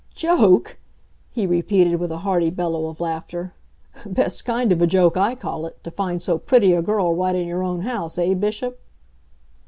"Joke?" he repeated with a hearty bellow of laughter. "Best kind of a joke, I call it, to find so pretty a girl right in your own house, eh, Bishop?"